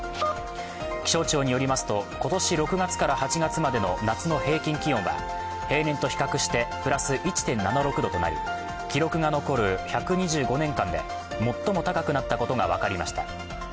気象庁によりますと、今年６月から８月までの夏の平均気温は平年と比較してプラス１．７６度となり記録が残る１２５年間で最も高くなったことが分かりました。